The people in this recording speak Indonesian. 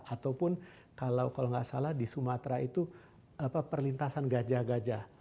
ataupun kalau nggak salah di sumatera itu perlintasan gajah gajah